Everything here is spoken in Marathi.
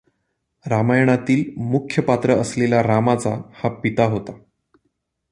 रामायणातील मुख्य पात्र असलेल्या रामाचा हा पिता होता.